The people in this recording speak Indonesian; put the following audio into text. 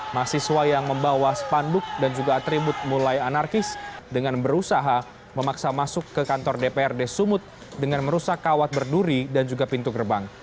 mahasiswa yang membawa spanduk dan juga atribut mulai anarkis dengan berusaha memaksa masuk ke kantor dprd sumut dengan merusak kawat berduri dan juga pintu gerbang